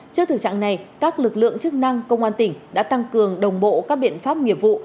trước thực trạng này các lực lượng chức năng công an tỉnh đã tăng cường đồng bộ các biện pháp nghiệp vụ